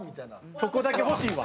そこだけ欲しいわ。